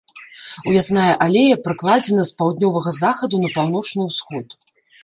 Уязная алея пракладзена з паўднёвага захаду на паўночны ўсход.